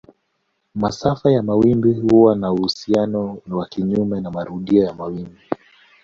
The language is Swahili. Masafa ya mawimbi huwa na uhusiano wa kinyume na marudio ya wimbi.